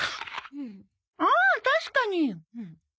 ああ確かに。